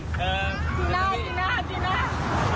จิน่าจิน่า